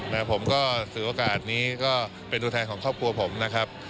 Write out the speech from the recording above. นะผมก็ถือโอกาสนี้ก็เป็นตัวแทนของครอบครัวผมนะครับ